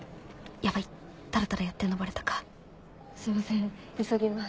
ヤバいたらたらやってんのバレたかすいません急ぎます。